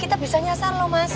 kita bisa nyasar loh mas